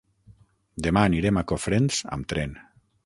Demà anirem a Cofrents amb tren.